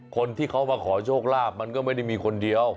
คนที่เขามาขอโชคลาภมันก็ไม่ได้มีคนเดียว